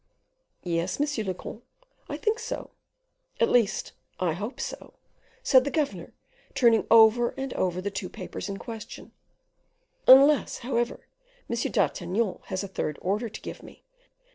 "Yes, monsieur le comte, I think so at least, I hope so," said the governor, turning over and over the two papers in question, "unless, however, M. d'Artagnan has a third order to give me."